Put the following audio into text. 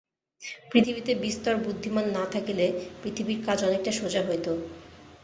পৃথিবীতে বিস্তর বুদ্ধিমান না থাকিলে পৃথিবীর কাজ অনেকটা সোজা হইত।